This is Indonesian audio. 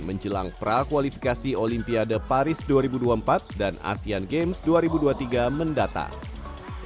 menjelang prakualifikasi olimpiade paris dua ribu dua puluh empat dan asean games dua ribu dua puluh tiga mendatang